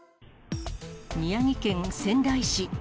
宮城県仙台市。